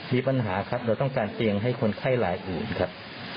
มีปัญหาครับเราต้องการเตียงให้คนไข้รายอื่นครับ